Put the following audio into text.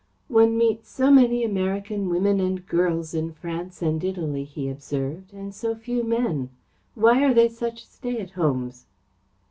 "One meets so many American women and girls in France and Italy," he observed, "and so few men. Why are they such stay at homes?"